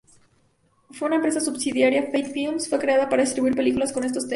Una empresa subsidiaria ""Faith Films"" fue creada para distribuir películas con esos temas.